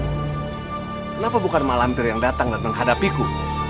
kenapa bukan mak lampir yang datang dan menghadapiku